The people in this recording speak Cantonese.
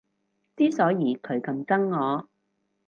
之所以佢咁憎我